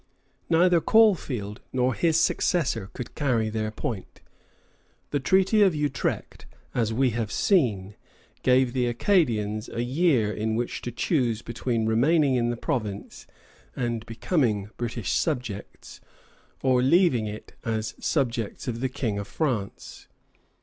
Neither Caulfield nor his successor could carry their point. The Treaty of Utrecht, as we have seen, gave the Acadians a year in which to choose between remaining in the province and becoming British subjects, or leaving it as subjects of the King of France.